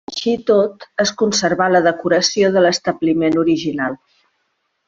Així i tot, es conserva la decoració de l'establiment original.